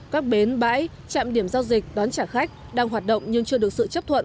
các bến bãi trạm điểm giao dịch đón trả khách đang hoạt động nhưng chưa được sự chấp thuận